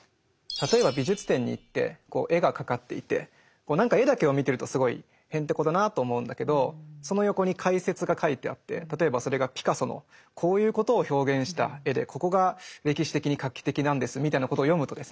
例えば美術展に行って絵がかかっていて何か絵だけを見てるとすごいへんてこだなと思うんだけどその横に解説が書いてあって例えばそれがピカソのこういうことを表現した絵でここが歴史的に画期的なんですみたいなことを読むとですね